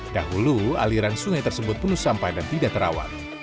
dahulu aliran sungai tersebut penuh sampah dan tidak terawat